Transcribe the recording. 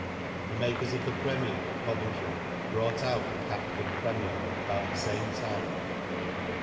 The makers of the Premier, at Coventry, brought out the Cat ford Premier about the same time.